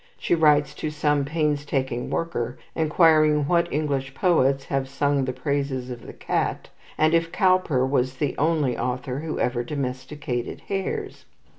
She writes to some painstaking worker, enquiring what English poets have "sung the praises of the cat," and if Cowper was the only author who ever domesticated hares?